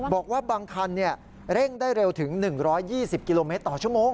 บอกว่าบางคันเร่งได้เร็วถึง๑๒๐กิโลเมตรต่อชั่วโมง